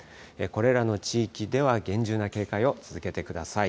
これらの地域では厳重な警戒を続けてください。